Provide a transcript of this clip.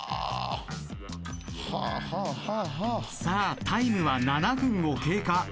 さあタイムは７分を経過。